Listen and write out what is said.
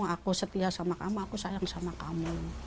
aku setia sama kamu aku sayang sama kamu